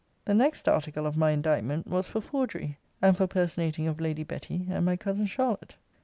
The next article of my indictment was for forgery; and for personating of Lady Betty and my cousin Charlotte.